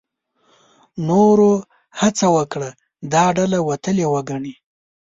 نورو هڅه وکړه دا ډله وتلې وګڼي.